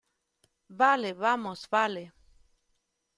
vale, vamos. vale.